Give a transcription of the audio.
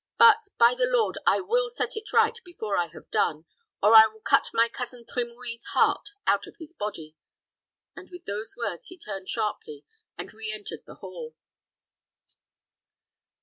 But, by the Lord, I will set it right before I have done, or I will cut my cousin Trimouille's heart out of his body;" and with those words he turned sharply and re entered the hall.